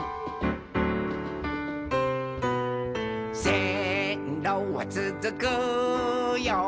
「せんろはつづくよ